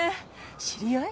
知り合い？